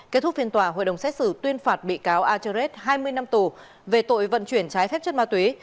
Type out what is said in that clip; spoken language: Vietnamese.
kết thúc phiên tòa hội đồng xét xử tuyên phạt bị cáo aterres hai mươi năm tù về tội vận chuyển trái phép chất ma túy